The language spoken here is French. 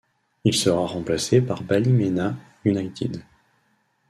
Il sera remplacé par Ballymena United.